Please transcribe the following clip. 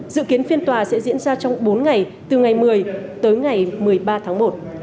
dự kiến phiên tòa sẽ diễn ra trong bốn ngày từ ngày một mươi tới ngày một mươi ba tháng một